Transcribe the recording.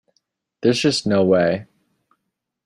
There's just no way.